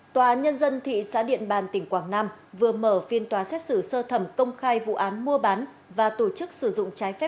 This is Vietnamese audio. tòa nhân dân thị xã điện bàn tỉnh quảng nam vừa mở phiên tòa xét xử sơ thẩm công khai vụ án mua bán và tổ chức sử dụng trái phép